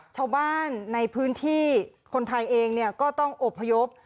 ชาวบ้านในพื้นที่คนไทยเองก็ต้องอบพยพ